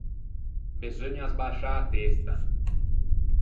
Beseugna asbasciâ a testa.